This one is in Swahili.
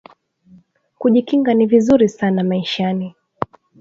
Kuji kinga ni vizuri sana maishani